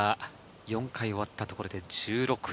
４回終わったところで１６位。